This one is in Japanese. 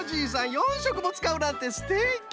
４しょくもつかうなんてすてき！